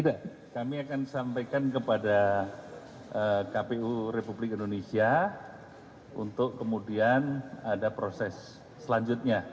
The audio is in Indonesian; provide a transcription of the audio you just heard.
tidak kami akan sampaikan kepada kpu republik indonesia untuk kemudian ada proses selanjutnya